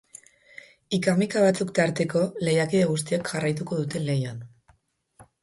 Ika-mika batzuk tarteko, lehiakide guztiek jarraituko dute lehian.